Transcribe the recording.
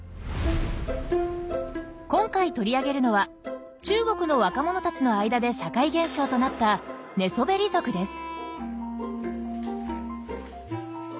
今回取り上げるのは中国の若者たちの間で社会現象となった「寝そべり族」です。